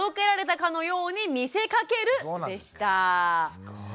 すごい。